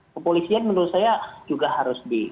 kepolisian menurut saya juga harus di